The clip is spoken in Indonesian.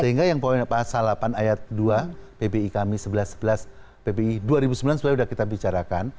sehingga yang poin pasal delapan ayat dua pbi kami sebelas sebelas pbi dua ribu sembilan sebenarnya sudah kita bicarakan